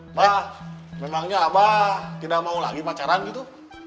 mbah memangnya abah tidak mau lagi pacaran gitu